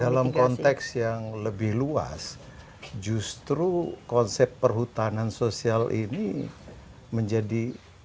dalam konteks yang lebih luas justru konsep perhutanan sosial ini menjadi